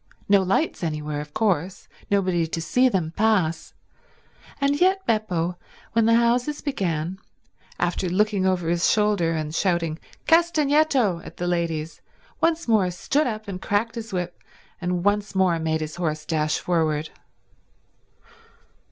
No lights anywhere, of course, nobody to see them pass; and yet Beppo, when the houses began, after looking over his shoulder and shouting "Castagneto" at the ladies, once more stood up and cracked his whip and once more made his horse dash forward.